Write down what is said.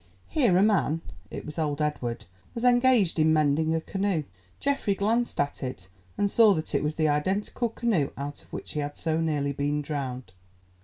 Here a man, it was old Edward, was engaged in mending a canoe. Geoffrey glanced at it and saw that it was the identical canoe out of which he had so nearly been drowned.